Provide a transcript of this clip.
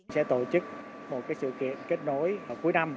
sẽ tổ chức một sự kiện kết nối cuối năm